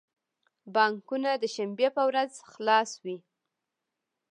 بانکونه د شنبی په ورځ خلاص وی